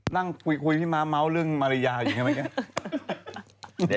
นั่งคุยพี่มามเมาส์เรื่องมาริยาอยู่ไงไหมเนี่ย